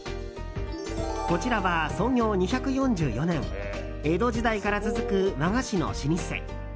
こちらは創業２４４年江戸時代から続く和菓子の老舗。